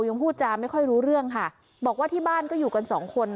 ยังพูดจาไม่ค่อยรู้เรื่องค่ะบอกว่าที่บ้านก็อยู่กันสองคน